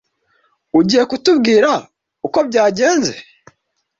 Ugiye kutubwira uko byagenze?